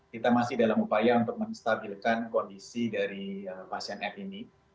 kita masih dalam upaya untuk menstabilkan kondisi dari pasien f ini